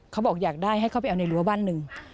เขาบอกอยากได้ให้เข้าไปเอาในรั้วบ้านหนึ่ง